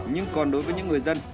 nhưng còn đối với những người dân